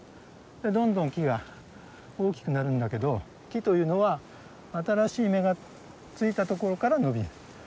どんどん木が大きくなるんだけど木というのは新しい芽がついたところから伸びる。